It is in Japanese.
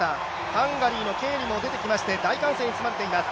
ハンガリーのケーリも出てきまして、大歓声に包まれています。